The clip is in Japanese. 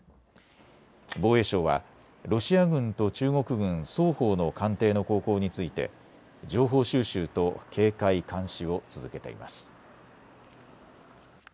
防衛省はロシア軍と中国軍、双方の艦艇の航行について情報収集と警戒・監視を続けています。